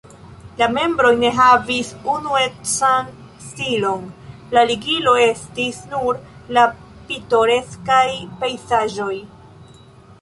La membroj ne havis unuecan stilon, la ligilo estis nur la pitoreskaj pejzaĝoj.